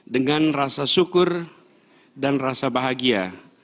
dengan rasa syukur dan rasa bahagia